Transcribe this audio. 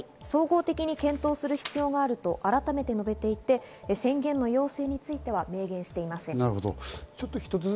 総合的に検討する必要があると改めて述べていて、宣言の要請については明言していません。